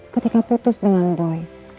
ketika putus dengan boy